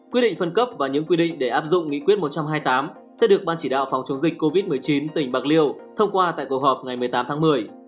quyết định phân cấp và những quy định để áp dụng nghị quyết một trăm hai mươi tám sẽ được ban chỉ đạo phòng chống dịch covid một mươi chín tỉnh bạc liêu thông qua tại cuộc họp ngày một mươi tám tháng một mươi